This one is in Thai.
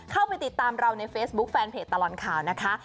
เข้าไปติดตามเราในเฟซบุ๊คแฟนเพจตลอดข่าวนะคะ